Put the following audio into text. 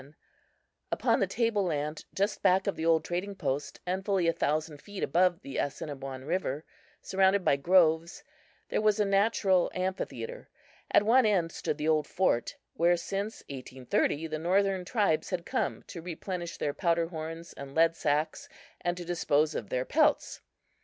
Upon the table land just back of the old trading post and fully a thousand feet above the Assiniboine river, surrounded by groves, there was a natural amphitheatre. At one end stood the old fort where since 1830 the northern tribes had come to replenish their powder horns and lead sacks and to dispose of their pelts.